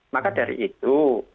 maka dari itu